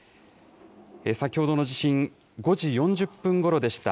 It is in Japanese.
先ほどの地震、５時４０分ごろでした。